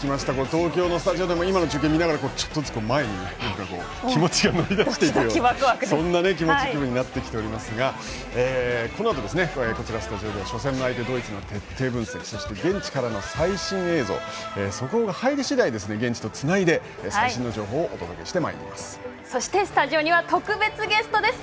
東京のスタジオでも今の中継を見ながらちょっとずつ前に気持ちが乗り出していくようなそんな気分になってきていますがこのあとこちらのスタジオではドイツの徹底分析そして、現地からの最新映像速報が入り次第現地とつないで最新情報をお届けしてまいります。